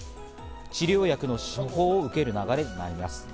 治療薬の処方を受ける流れになります。